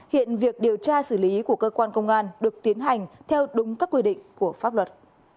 hiện việc điều tra xử lý của cơ quan công an được tiến hành theo đúng các quy định của pháp luật